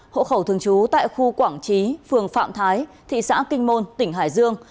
hộ khẩu thường trú tại khu quảng trí phường phạm thái thị xã kinh môn tỉnh hải dương